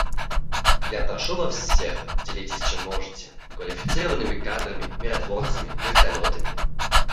Я прошу вас всех: делитесь, чем можете, — квалифицированными кадрами, миротворцами, вертолетами.